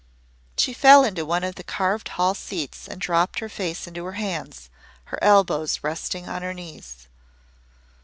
She fell into one of the carved hall seats and dropped her face into her hands, her elbows resting on her knees.